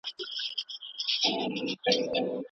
که رنګ وران سوی وي نو په عادي سترګو یې لوستل شوني نه دي.